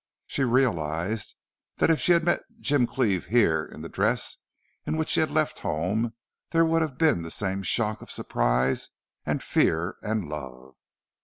She realized that if she had met Jim Cleve here in the dress in which she had left home there would have been the same shock of surprise and fear and love.